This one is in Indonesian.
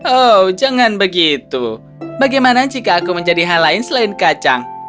oh jangan begitu bagaimana jika aku menjadi hal lain selain kacang